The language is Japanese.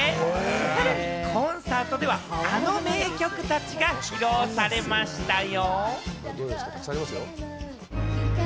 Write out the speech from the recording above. さらにコンサートではあの名曲たちが披露されましたよ。